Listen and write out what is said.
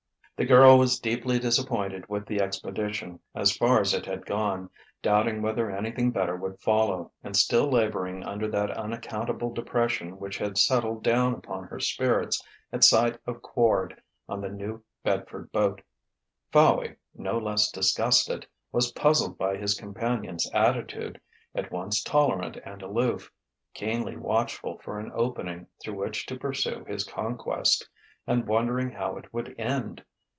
The girl was deeply disappointed with the expedition, as far as it had gone, doubting whether anything better would follow, and still labouring under that unaccountable depression which had settled down upon her spirits at sight of Quard on the New Bedford boat. Fowey, no less disgusted, was puzzled by his companion's attitude, at once tolerant and aloof, keenly watchful for an opening through which to pursue his conquest, and wondering how it would end.